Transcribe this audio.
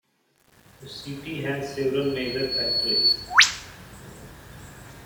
The city has several major factories.